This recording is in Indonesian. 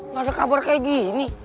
nggak ada kabar kayak gini